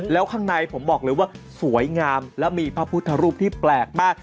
แล้วข้างในผมบอกเลยว่าสวยงามแล้วมีพระพุทธรูปที่แปลกมาก